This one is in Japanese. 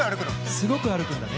すごく歩くんだね。